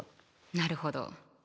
なるほど。